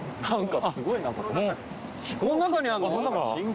この中にあんの？